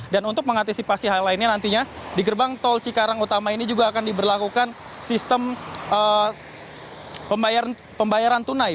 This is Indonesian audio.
dan untuk mengantisipasi hal lainnya nantinya di gerbang tol cikarang utama ini juga akan diberlakukan sistem pembayaran tunai